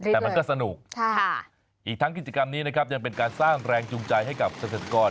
แต่มันก็สนุกอีกทั้งกิจกรรมนี้นะครับยังเป็นการสร้างแรงจูงใจให้กับเกษตรกร